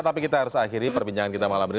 tapi kita harus akhiri perbincangan kita malam ini